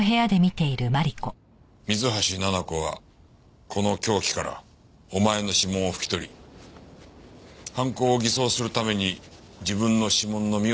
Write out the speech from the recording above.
水橋奈々子はこの凶器からお前の指紋を拭き取り犯行を偽装するために自分の指紋のみを残した。